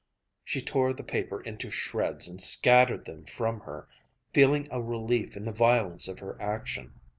She tore the paper into shreds and scattered them from her, feeling a relief in the violence of her action.